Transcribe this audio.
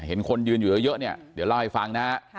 เห็นคนยืนอยู่เยอะเนี่ยเดี๋ยวเล่าให้ฟังนะฮะ